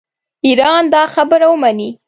ایران دا خبره ومني.